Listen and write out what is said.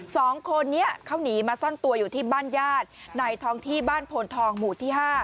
สองคนนี้เขาหนีมาซ่อนตัวอยู่ที่บ้านญาติในท้องที่บ้านโพนทองหมู่ที่๕